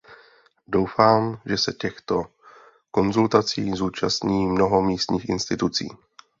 Doufám, že se těchto konzultací zúčastní mnoho místních institucí.